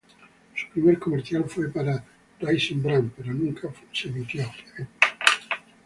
Su primer comercial fue para Raisin Bran pero nunca fue emitido al aire.